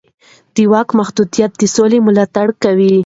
د واک محدودیت د سولې ملاتړ کوي